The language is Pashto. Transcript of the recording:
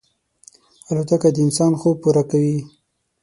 الوتکه د انسان خوب پوره کړی.